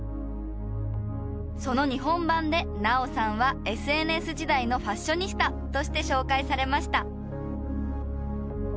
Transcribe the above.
その日本版で菜桜さんは「ＳＮＳ時代のファッショニスタ」として紹介されました。